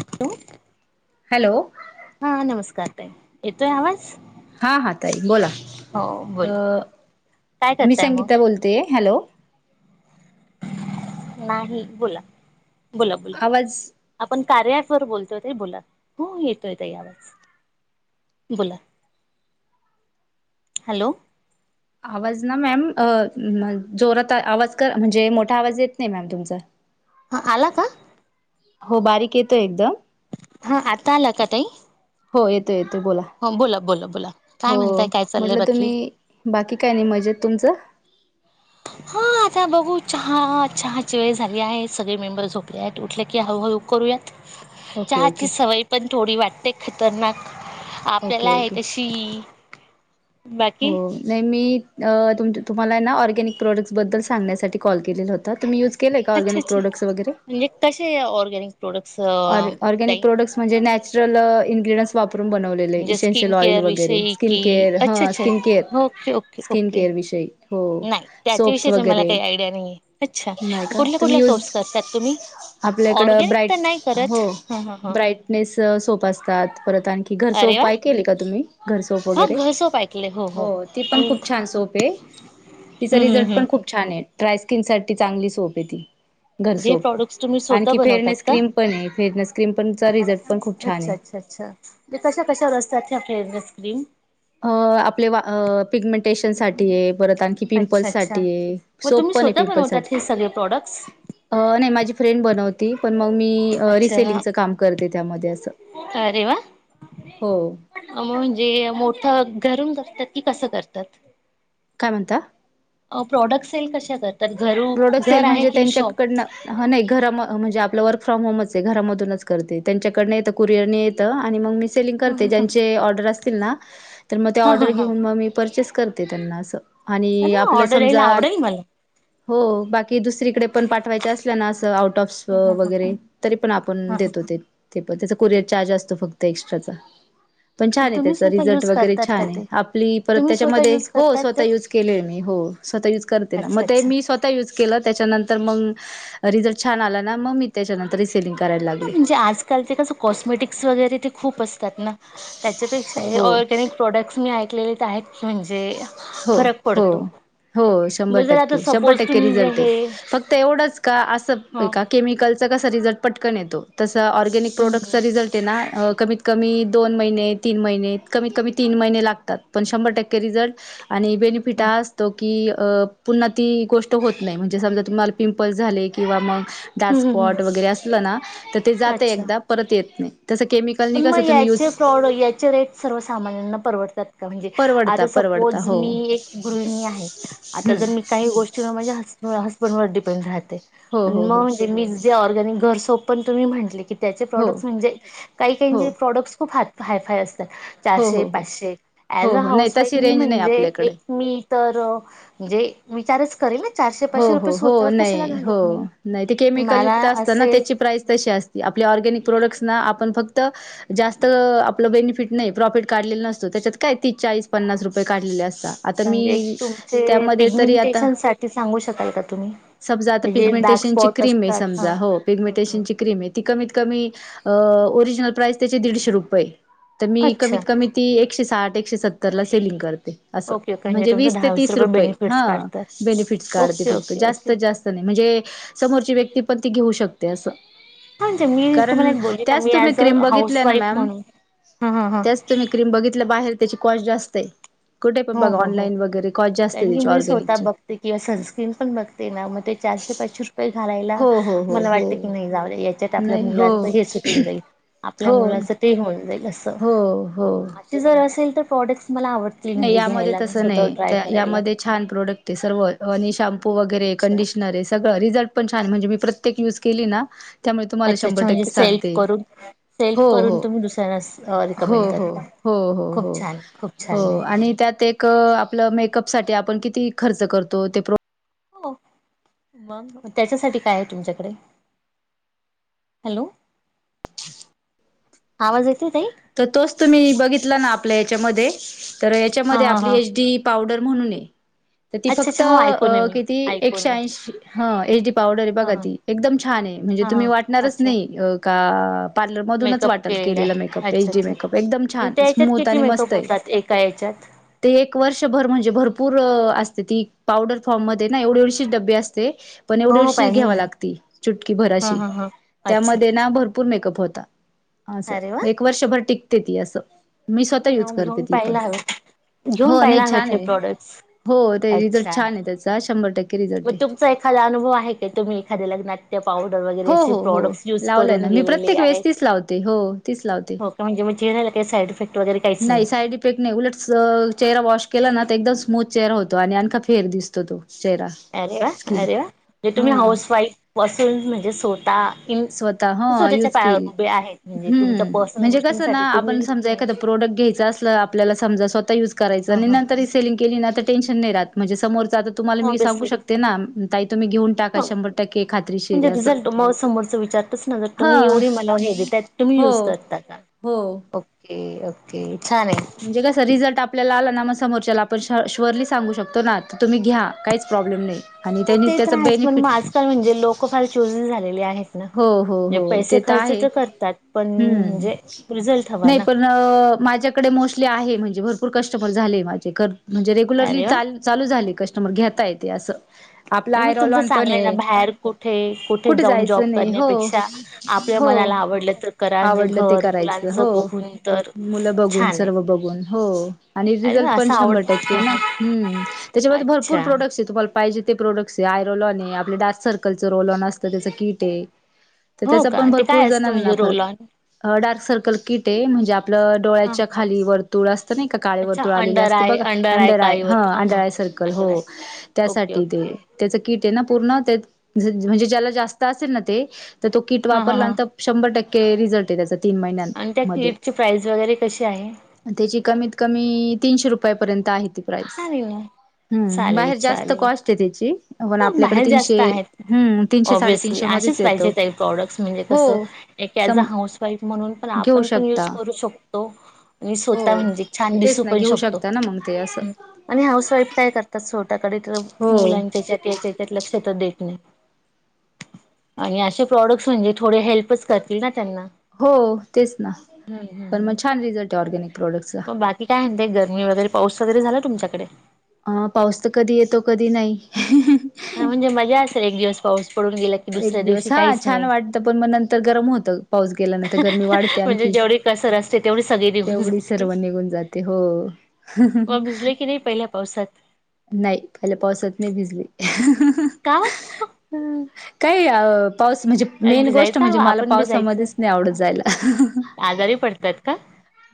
[unintelligible] Hello हा नमस्कार ताई येतोय आवाज हां हां ताई बोला हो बोला काय मी करताय संगीता मग बोलते आहे हॅलो नाही बोला बोला बोला आवाज आपण कार्यासर बोलतोयत बोला हो येतोयेत आवाज बोला हॅलो आवाज ना मॅम अ जोरात आवाज कर म्हणजे मोठा आवाज येत नाही मॅम तुमचा हा आला का हो बारीक येतोय एकदम हा आता आला का ताई हो येतो येतो बोला हो बोला बोला बोला काय हो म्हणताय काय चाललंय म्हटलं बाकी तुम्ही बाकी काय नाही मजेत तुमचं हो आता बघू चहा चहा ची वेळ झाली आहे सगळे मेंबर झोपले आहेत उठले की हळूहळू करूया [inaudible] चहा ची ओके सवय पण थोडी वाटते खतरनाक. आपल्याला ओके आहे ओके तशी ती हो. नाही मी तुम तुम्हाला ना ऑर्गॅनिक प्रॉडक्ट्सबद्दल सांगण्यासाठी कॉल केलेला होता. तुम्ही यूज केलं का, अच्छा ऑगॅनिक अच्छा प्रॉडक्ट्स वैगेरे? म्हणजे कसे ऑरगॅनिक प्रोडक्ट्स ऑर ऑर्गॅनिक ताई? प्रोडक्ट्स म्हणजे नॅचरल इनग्रीडयनट्स वापरून बनवलेत. म्हणजे स्किन इसेन्शियल ऑईल केअर वैगेरे, विषयी स्किन कि केअर अच्छा ह अच्छा skin care okay okay skin okay. Care विषयी. हो, नाही सोप्स त्याच्याविषयी तर मला वगैरे. काही आयडिया नाहीये अच्छा नाही का, कुठल्या तुम्ही कुठल्या यूज सोप्स करतात तुम्ही? आपल्याकड ऑर्गॅनिक ब्राईट तर नाही करत हो ह ह ह ब्राईटनेस सोप असतात. परत आणखी की घर अरे वा सोपाय केले का तुम्ही, घरसोफ हा वगैरे? घर सोप ऐकले हो ती पण आणि खूप छान सोप आहे, तिचा हम्म रिझल्ट हम्म पण खूप हम्म छान आहे. ड्रायस्किन साठी चांगली सोप आहे ती, जे घरसोप. प्रॉडक्ट्स तुम्ही स्वतः आणखी बनवतात फेअरनेस का? क्रीम पण आहे, फेरनस क्रीम पणचा रिझल्ट पण खूप छान अच्छा आहे. अच्छा अच्छा. ते कशा कशावर असतात, ह्या फेयरनेस क्रीम? अ आपले पिगमेंटेशनसाठी आहे, परत आणखी की अच्छा अच्छा पिंपल्ससाठी आहे, मग तुम्ही सोपपण आहे स्वतः बनवतात हे पिंपल्ससाठी. सगळे प्रॉडक्ट्स? अ नाही माझी फ्रेंड बनवती. पण मग मी अच्छा रिसेलिंगच काम करते त्यामध्ये असं. अरे वाह. हो. म्हणजे मोठं घरून करतात, की कसं करतात? काय म्हणता? प्रॉडक्ट सेल कशा करता, घरून प्रोडक्ट सेल घर आहे म्हणजे की त्यांच्याकडनं शॉप? ह नाही घरा म्हणजे आपलं वर्क फ्रॉम होमच आहे. घरामधूनच करते त्यांच्याकडन येतं ते कुरिअरने येतं आणि मग मी सेलिंग करते. ज्यांचे ऑर्डर असतील ना, तर मग ते हा हा ऑर्डर हा घेऊन मग मी परचेस करते त्यांना असं. आणि अरे वा आपलं ऑर्डर यायला समजा आवडेल मला हो बाकी दुसरीकडेपण पाठवायचे असल्या ना असं आउट ऑफ वगैरे तरीपण आपण हा हा. देतो ते, ते पण त्याचा कुरियर चार्ज असतो फक्त एक्स्ट्राचा. पण छान आहे, तुम्ही त्याच स्वतः रिझल्ट युज वगैरे करतात का छान आहे. ते आपली परत तुम्ही स्वतः त्याच्यामध्ये युज हो करतात स्वतः ते यूज केलेय मी हो. स्वतः युज करते ना. अच्छा मग ते अच्छा मी स्वतः युज केलं, त्याच्यानंतर मग रिझल्ट छान आला ना मग मी त्याच्यानंतर रिसेलिंग करायला हा लागली. म्हणजे आजकाल ते कसं कॉस्मेटिक्स वगैरे ते खूप असतात ना, त्याच्यापेक्षा हे हो ऑरगॅनिक प्रॉडक्ट्स मी ऐकलेले तर आहेत, म्हणजे हो फरक हो पडतो. हो शंभर मग जर आता टक्के, शंभर सपोज टक्के तुम्ही जे रिझल्ट आहे. हे फक्त एवढंच का असं ह का केमिकलचा कसा रिझल्ट पटकन येतो, तस ऑर्गॅनिक हम्म हम्म प्रोडक्टचा रिझल्ट आहे ना कमीत कमी दोन महिने, तीन महिने कमी कमी तीन महिने लागतात. पण शंभर टक्के रिझल्ट आणि बेनिफिट हा असतो की अ पुन्हा ती गोष्ट होत नाही, म्हणजे समजा तुम्हाला पिंपल्स झाले किंवा मग डार्क हम्म हम्म हम्म. स्पॉट वगैरे असलं ना, तर ते जातंय अच्छा एकदा परत येत नाही. तस केमिकल पण मग याचे प्रॉड याचे रेट सर्व सामान्यांना परवडतात का, म्हणजे परवडता आता परवडता सपोज हो मी एक गृहिणी आहे, आता हम्म. जर मी काही गोष्टींना माझ्या हजबंड हसबंड वर डिपेंड राहते हो हो आणि हो मग जे मी जे ऑर्गॅनिक घर सोप पण तुम्ही म्हटले, की त्याचे हो प्रॉडक्ट्स म्हणजे काही हो काहींचे प्रॉडक्ट्स खूप हा हाय फाय असतात. हो हो चारशे, हो पाचशे ॲज हो अ हो नाही हाऊस वाईफ तशी मी रेंज नाही म्हणजे आपल्याकडे एक मी तर म्हणजे विचारच करेन हो हो हो, नाही. हो नाही ते मला केमिकलयुक्त असत ना, असेल त्याची प्राईज तशी असते. आपल्या ऑरगॅनिक प्रोडक्ट्सना आपण फक्त जास्त आपलं बेनिफिट नाही, प्रॉफिट काढलेलं नसतो. त्याच्यात काय तीस, चाळीस, पन्नास रुपये काढलेले असतात. आता अच्छा मी, म्हणजे त्यामध्ये तरी आता, ते सांगू शकाल का तुम्ही? समजा आता म्हणजे जे डार्क पिगमेंटेशनची स्पॉट क्रीमे असतात हा समजा, हो पिगमेंटेशनची क्रीमे, ती कमीत कमी ओरिजनल प्राइस त्याचे दीडशे रुपयेय, त मी अच्छा कमीत कमी, ती एकशे साठ, एकशे सत्तर ला सेलिंग करते. असं ओके ओके म्हणजे तुमचं वीस ते, दहा तीस रुपये, हा, बेनिफिट्स काढतात. बेनिफिट काढते ओके फक्त ओके जास्त ओके जास्त नाही, म्हणजे समोरची व्यक्ती पण ती घेऊ शकते अस. म्हजे मी तुम्हाला एक बोलली ना, मी तुम्ही ऑज क्रीम बघितल्या हाऊस ना वाईफ मॅम म्हणून, ह ह ह. तुम्ही क्रीम बघितलं, बाहेर त्याची कॉस्ट जास्तये. कुठे पण हो बघा, हो हो ऑनलाईन वगैरे, कॉस्ट जास्तये त्याची, ऑर्गनिकची. ते किंवा सनस्क्रीन पण बघते ना, मग ते चारशे पाचशे रुपये घालायला, हो हो हो मला हो वाटत की नाही जाऊद्मा, याच्यात आपल्या नाही हो मुलाच हे सुटून जाईल, आपल्या हो मुलाच ते होऊन जाईल अस. हो हो. जर असेल तर प्रॉडक्ट्स मला आव नाही यामध्ये तस नाही, यामध्ये छान प्रोडक्टे सर्व, आणि शॅम्पू वगैरे अच्छा कंडिशनरे. सगळं रिझल्ट पण छाने, म्हणजे मी प्रत्येक युज केली ना, त्यामुळे तुम्हाला अच्छा शंभर अच्छा म्हणजे टक्के सेल्फ सांगते, करून हो, सेल्फ करून हो, तुम्ही दुसऱ्यांना हो, रिकमेंड हो. करता. हो, हो, खूप हो. छान खूप छान हो आहे. आणि त्यात एक आपलं, मेकअप साठी आपण किती खर्च करतो, ते प्रो हो, मग, त्याच्यासाठी काये तुमच्याकडे? हॅलो आवाज येतोय ताई. तर तोच, तुम्ही बघितला ना आपल्या याच्यामध्ये, तर हा याच्यामध्ये हा आपली हा एच डी पावडर म्हणूने, त ती अच्छा फक्त अच्छा हो ऐकून आहे मी किती ऐकून आहे एकशेऐंशी ह एच डी पावडरे हा बघा हा ती, एकदम छाने, म्हणजे हा तुम्ही हा वाटणारच अच्छा नाही का पार्लरमधूनच मेकअप वाटल, केलेला केलेलं आहे मेकअप. एच अच्छा डी अच्छा मेकअप, एकदम आणि छान, त्या याच्यात स्मूथ किती आणि मेकअप मस्तय. होतात एका याच्यात ते एक वर्षभर म्हणजे भरपूर असते, ती पावडर फॉर्म मध्ये ना एवढे एवढे डबे असते, पण हो हो एवढीवशी पाहिले घ्यावा मी लागती, चुटकी भर हा अशी, हा हा अच्छा त्यामध्ये ना भरपूर मेकअप होता. अरे वा असं एक वर्षभर टिकते ती असं, मी छान स्वतः आहे यूज ना मग करते घेऊन ती पण. पाहायला हवे घेऊन हो नाही पाहायला हवेत हे छाने, प्रोडक्ट्स. हो ते रिझल्ट अच्छा. छाने त्याचा, शंभर टक्क मग तुमचा एखादा अनुभव आहे काय? तुम्ही एखाद्या लग्नात त्या पावडर हो वगैरेचे हो हो प्रॉडक्ट युज लावलाय करून ना मी गेलेले प्रत्येक आहे. वेळेस तीच लावते हो तीच लावते. म्हणजे म चेहर्याला काही साड इफेक्ट वगैरे काहीच नाही. ईफेक्ट नाही, उलट चेहरा वॉश केला ना, त एकदम स्मूथ चेहरा होतो, आणि आणखा फेर दिसतो तो. चेहरा. अरे वा, स्किन अरे वा, म्हणजे तुम्ही हा हाऊस वाईफ असून, म्हणजे स्वतः इन स्वतः ह स्वतःच्या युज पायावर केली, उभे आहेत म्हणजे हम्म, तुमच्या पर्सनल म्हणजे कसं ना गोष्टींसाठी आपण तुम्ही समजा एखादं हा प्रोडक्ट घ्यायचा असलं, आपल्याला समजा स्वतः युज करायचं आणि हा नंतरही सेलीग केली ना, तर टेन्शन नाही राहत, म्हणजे समोर आता तुम्हाला मी सांगू ऑब्विसली शक ते ना, ताई तुम्ही घेऊन टाका, मग शंभर टक्के खात्रीशी रिझल्ट म, समोरं विचार ताचना ज तुम्ही हा एवढी मला हे देतायेत, तुम्ही हो युज करता का? हो ओके ओके छाने. म्हणजे क रिझल्ट आपल्याला आला ना, म समोरच्याला आपण श्युअरली सांगू शकतो ना, त तुम्ही घ्या काहीच प्रॉब्लेम नाही. आणि ह त्यांनी ते तर त्याचा आहेच, पण मग बेनिफिट आजकाल म्हणजे लोक फार चूजि झालेले आहेत. हो हो म्हणे हो पैसे ते खर्च आहे तर करतात, पण हम्म म्हणजे, रिझल्ट हवा नाही ना. पण माझ्याकडे मोस्टली आहे, म्हणजे भरपूर कस्टमर झाले माझे, म्हणजे रेग्युलरली अरे वा. चाल चालू झाली कस्टमर घेता येते असं आपलं मग तुमच आयरॉलॉन पण चांगलंय ना आहे बाहेर कुठे कुठे जाऊन जॉब जायचं नाही हो करण्यापेक्षा आपल्या हो मनाला आवडलं तर करा म्हजे आवडलं ते घर करायचं मुलांच हो बघून तर मुलं बघून छान आहे. सर्व बघून हो आणि अरे रिझल्ट वा पण असं आवड शंभर टक्के हां, ना हां. हम् त्याच्यामध्ये भरपूर अच्छा प्रोडक्ट तुम्हाला पाहिजे ते प्रोडक्ट आय रलॉन आहे आपले डार्क सर्कलच रोललॉन असतं त्याचं कीट आहे तर हो त्याचा का पण ते भरपूर काय असतं जणांना म्हणजे रोल फरक ऑन डार्क सर्कल किट आहे म्हणजे आपलं हा डोळ्याच्या हा खाली वर्तुळ असतं नाही काळेवर अच्छा तुळ आले अंडर असते आय बघा अंडर आय अंडरय ह काळीवर हा हा अंडरय सर्कल अंडर आय हो ओके त्यासाठी ते ओके त्याचं कीट आहे ना पूर्ण म्हणजे ज्याला जास्त असेल ना ते तर तो कीट हा हा हा वापरलानंतर शंभर टक्के रिझल्ट आहे त्याचा तीन महिन्यात आणि त्या किटची प्राईज वगैरे कशी आहे त्याची कमीत कमी तीनशे रुपयापर्यंत आहे त छान आहे ना. ा्म चालेल बाहेर जास्त चालेल. कॉस्ट आहे त्याची प हा आपल्याकडे बाहेर जास्त तीनशे आहेत हम्म तीनशे साडे ऑब्विसली असेच पाहिजे काही प्रॉडक्ट्स म्हणजे कसं हो एक ज अ सम हाऊस वाईफ म्हणून पण घेऊ आपण पण शकता युज करू शकतो मी हो स्वतः म्हणजे छान तेच दिसू ना पण घेऊ शकतो शकता ना मग ते असं आणि हाऊस वाईफ काय करतात छोट्याकडे तर हो मुलांच्याच्यात याच्याच्यात लक्ष तर देखणे आणि असे प्रॉडक्ट्स म्हणजे थोडे हेल्पच करतील ना त्यांना हो तेच ना हम्म हम्म पण मग छान रिझल्ट आहे ऑर्गॅनिक प्रॉडक्टचा की काय ते गरमी वगैरे पाऊस वगैरे झाला तुमच्याकडे अ पाऊस तर कधी येतो कधी नाही हा म्हणजे मजाेल एक दिवस पाऊस पडून गेला की एक दुसऱ्या दिवशी दिवस हा काहीच छान नाही. वाटतं पण मग नंतर गरम होतं पाऊस गेल्यानंतर गरमी वाढते आणखी. सर असते तेवढी सगळी निघून तेवढी जाते सर्व निघून जाते हो मग भिजले की नाही पहिल्या. पावसात. नाही पहिल्या पावसात नाही भिजली. का. ह काही अ पाऊस म्हणजे मेन गोष्ट भिजायचा म्हणजे हवा मला आपण भिजायचं. पावसामध्येच नाही आवडत जायला आजारी पडतात का?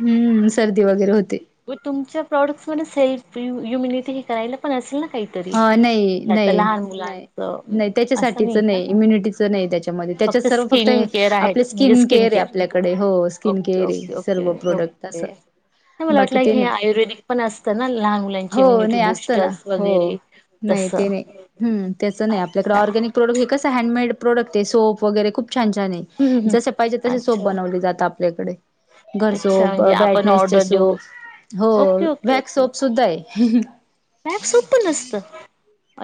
हम्म सर्दी वगैरे होते. मग तुमच्या प्रॉडक्ट्स मध्ये सेल्फ युमिनिटी हे करायला पण असेल ना काही. ह नाही नाही नाही नाही असं त्याच्यासाठीच का? नाही इम्युनिटी. त्या त्याच्यात सर्व फक्त स्किन केअर आप आहेत म्हणजे स्किन केअर आहे आपल्याकडे हो. Skin okay care okay okay सलव प्रॉडक्ट तसं. ओके. मला वाटलं हे आयुर्वेदिक पण असतं ना लहान मुलांची हो इम्युनिटी नाही असतं ना बुस्टर्स हो वगैरे. नाही तसं ते नाही त्याच नाही आपल्याकडे अच्छा ऑरगॅनिक. प्रोडक् हे कं हँडमेड प्रोडक्ट सोप वगैरे खूप छान छान आहे. हम्म हम्म जस पाहिजे तसे सोप अच्छा. बनवली जात आपल्याकडे. घर अच्छा सोप म्हणजे आपण बॅटनेसचे ऑर्डर देऊ सोप. हो ओके वॅक्स सोप सुद्धा आहे. बॅग सोप नसत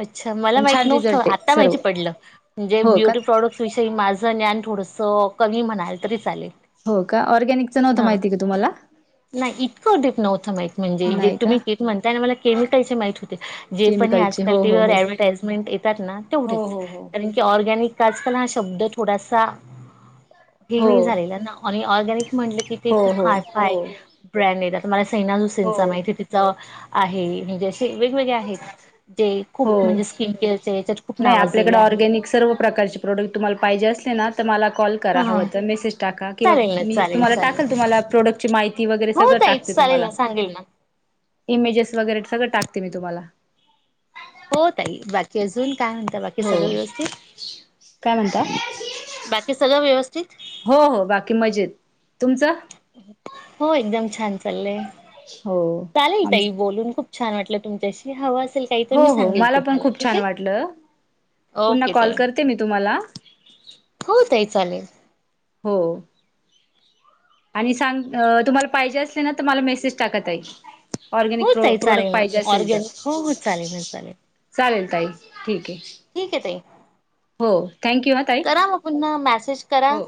अच्छा मला पण माहित छान नव्हत रिझल्ट आहे आता सर्व माहिती पडलं म्हणजे हो का ब्युटी प्रॉडक्ट त्याविषयी माझं ज्ञान थोडसं कमी म्हणाल तरी चालेल हो का ऑर्गॅनिकचं नव्हतं हा माहिती का तुम्हाला नाही इतकं ेप नव्हतं माह म्हणे नाही तुम्ही का किटणताय म केम मा जे पण केमिकलचे हो हो हो आजलीव्हटामें येतात ना तेवेच हो हो ी ऑर्गॅनिक आजकाल हा शब्द थोडासा हे हो नाही झालेला ना आणि ऑर्गॅनिक म्हटलं किथ खूप हो हो हायफा हो आहे. फ्रँड येत आता मला सैना जुसेनचा हो माहिती तिचं आहे. वेगवेगळे आहेत जे खूप हो. म्हणजे स्किन केअर याच्यात खूप नाही नावाजलेले आपल्याकडे आहेत. ऑर्गॅनिक सर्व प्रकारचे प्रोडक्ट तुम्हाला पाहिजे असले ना तर मला कॉल. हा हा. करावत मेसेज टाका किं चालेल ना मी चालेल तुम्हाला चालेल टाकाल तुम्हाला प्रोडक्ट. माहिती वगैरे हो सगळं ताई टाकते चालेल तुम्हाला ना सांगेल ना. इमेजेस वगैरे सगळं टाकते मी तुम्हाला. हो तई बाकी अजून काय म्हणत बाकी हो सगळं व्यवस्थित. काय म्हणता बाकी सगळं व्यवस्थित. हो हो बाकी मजेत तुमचं हो एकदम छान चाललय हो चालेल आम तई बोलून खूप. छान वाटलं तुमच्याशी हवा असेल. हो मी हो सांग मला पण तुम्हाला खूप ठीक छान वाटलं पुन्हा कॉल ओके. करते मी तुम्हाला हो ताई चालेल. हो. आणि सांग तुम्हाला पाहिजे असले ना तर मला मेसेज काका ताई. ऑरगॅनिक हो ताई प्रॉडक्ट चालेल ना पाहिजे असेल तर. ऑर्गॅनिक हो हो चालेल ना चालेल चालेल ताई ठीक आहे. ठीक आहे ताई हो थँक यू ह तई करा मग पुन्हा मॅसेज करा हो.